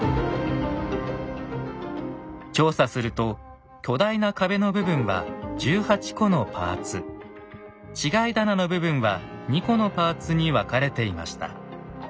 調査すると巨大な壁の部分は１８個のパーツ違い棚の部分は２個のパーツに分かれていました。